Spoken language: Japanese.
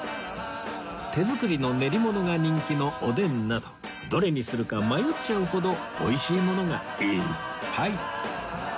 手作りの練り物が人気のおでんなどどれにするか迷っちゃうほど美味しいものがいっぱい